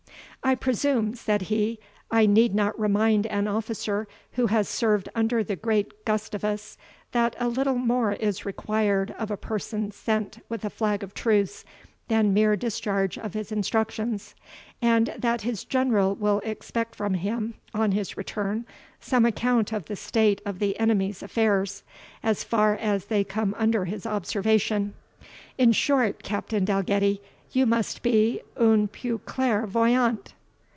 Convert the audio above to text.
"I presume," said he, "I need not remind an officer who has served under the great Gustavus, that a little more is required of a person sent with a flag of truce than mere discharge of his instructions, and that his general will expect from him, on his return, some account of the state of the enemy's affairs, as far as they come under his observation. In short, Captain Dalgetty, you must be UN PEU CLAIR VOYANT."